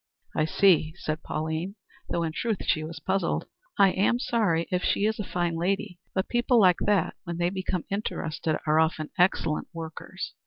"I see," said Pauline, though in truth she was puzzled. "I am sorry if she is a fine lady, but people like that, when they become interested, are often excellent workers.